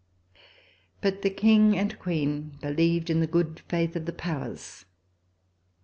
But the King and Queen believed in the good faith of the Powers.